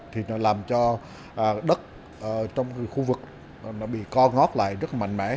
thì nó làm cho đất trong khu vực nó bị co ngót lại rất mạnh mẽ